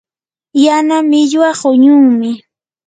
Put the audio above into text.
yana millwa quñunmi.